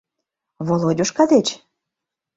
— Володюшка деч?